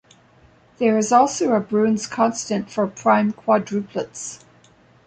There is also a Brun's constant for prime quadruplets.